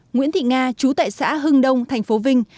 nguyễn thị nga chú tại xã hưng đông thành phố vinh